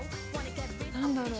何だろう？